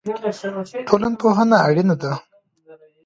ټولنپوهنه اړینه ده.